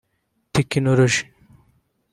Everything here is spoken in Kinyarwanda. tekinoloji